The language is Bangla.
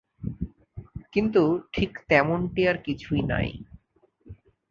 কিন্তু ঠিক তেমনটি আর কিছুই নাই।